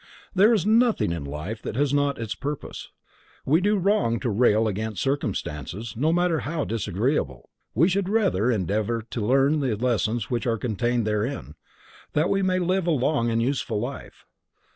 There is nothing in life that has not its purpose. We do wrong to rail against circumstances, no matter how disagreeable, we should rather endeavor to learn the lessons which are contained therein, that we may live a long and useful life.